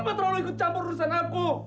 gak terlalu ikut campur urusan aku